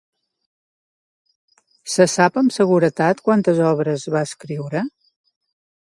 Se sap amb seguretat quantes obres va escriure?